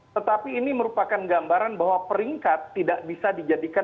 tetapi ini merupakan gambaran bahwa peringkat tidak bisa dijadikan